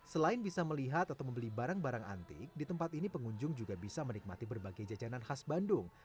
selain bisa melihat atau membeli barang barang antik di tempat ini pengunjung juga bisa menikmati berbagai jajanan khas bandung